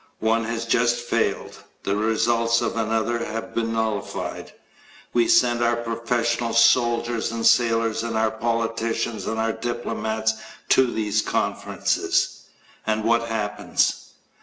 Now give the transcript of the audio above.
One has just failed; the results of another have been nullified. We send our professional soldiers and our sailors and our politicians and our diplomats to these conferences. And what happens?